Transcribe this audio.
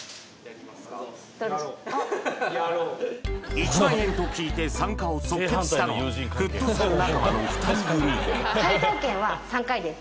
１万円と聞いて参加を即決したのはフットサル仲間の２人組解答権は３回です